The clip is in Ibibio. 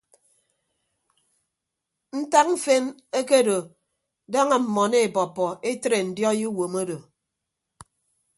Ntak mfen ekedo daña mmọn ebọppọ etre ndiọi uwom odo.